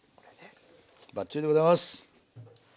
バッチリでございます！